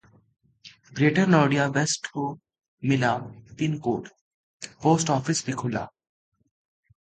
greater Noida west को मिला pincode, post office भी खुला